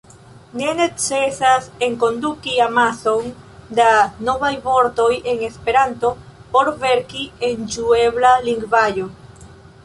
Ne necesas enkonduki amason da novaj vortoj en Esperanto por verki en ĝuebla lingvaĵo.